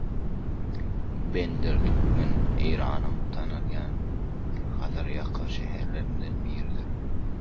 Bender Türkmen Eýranyň tanalýan Hazarýaka şäherlerinden biridir